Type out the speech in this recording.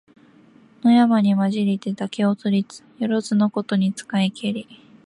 野山にまじりて竹を取りつ、よろづのことに使いけり。